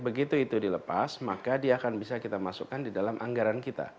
begitu itu dilepas maka dia akan bisa kita masukkan di dalam anggaran kita